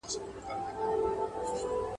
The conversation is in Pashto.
• پياز څه کوم، نياز ئې څه کوم.